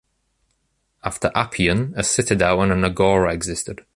After Appian, a citadel and an agora existed.